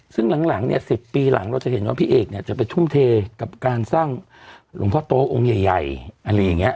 ซึ่งหลังเนี่ย๑๐ปีหลังเราจะเห็นว่าพี่เอกเนี่ยจะไปทุ่มเทกับการสร้างหลวงพ่อโตองค์ใหญ่อะไรอย่างนี้